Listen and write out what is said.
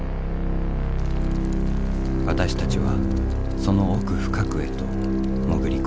私たちはその奥深くへと潜り込んだ。